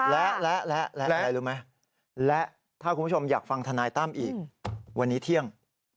และและอะไรรู้ไหมและถ้าคุณผู้ชมอยากฟังธนายตั้มอีกวันนี้เที่ยง